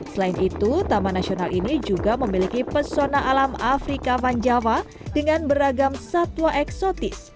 selain itu taman nasional ini juga memiliki pesona alam afrika van jawa dengan beragam satwa eksotis